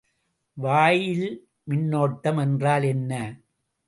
வாயில்மின்னோட்டம் என்றால் என்ன?